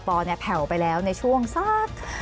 กรกฎเนี่ยแผ่วไปแล้วในช่วงซัก